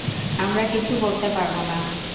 আমরা কিছু করতে পারবোনা।